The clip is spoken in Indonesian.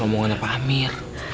omongannya pak amir